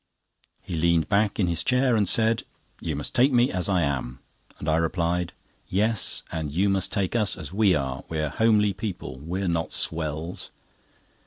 He leaned back in his chair and said: "You must take me as I am;" and I replied: "Yes—and you must take us as we are. We're homely people, we are not swells."